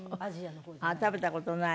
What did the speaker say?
食べた事ない。